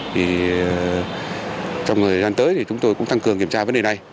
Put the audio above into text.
vì trong thời gian tới thì chúng tôi cũng tăng cường kiểm tra vấn đề này